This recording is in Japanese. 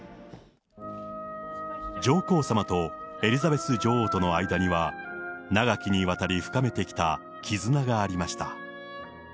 上皇さまとエリザベス女王との間には、長きにわたり深めてきた絆がありました。